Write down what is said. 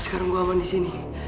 sekarang aku aman di sini